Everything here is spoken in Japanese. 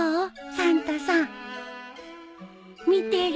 サンタさん見てる？